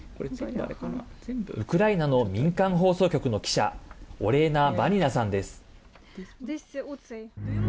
ウクライナの民間放送局の記者オレーナ・バニナさんです。